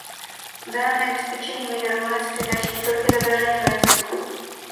Данное обеспечение имеет возможность передачи не только изображения, но и звука